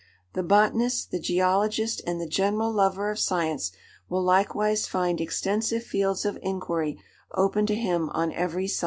The botanist, the geologist, and the general lover of science will likewise find extensive fields of inquiry open to him on every side.